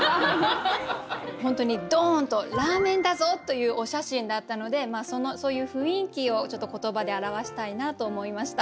本当にドーンと「ラーメンだぞ！」というお写真だったのでそういう雰囲気をちょっと言葉で表したいなと思いました。